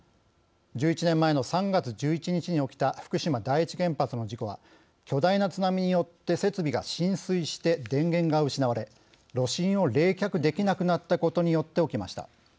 １１年前の３月１１日に起きた福島第一原発の事故は巨大な津波によって設備が浸水して電源が失われ炉心を冷却できなくなったことによって起きました。